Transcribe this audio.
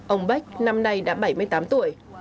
ông beck năm nay đã bảy mươi tám tuổi